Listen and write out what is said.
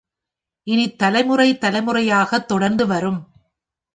இனி, தலைமுறை தலைமுறையாகத் தொடர்ந்துவரும்